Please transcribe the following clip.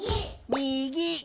みぎ！